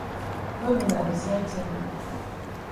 No be na de same tin.